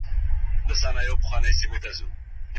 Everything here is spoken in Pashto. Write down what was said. زه له سهاره د کور پاکوالی کوم.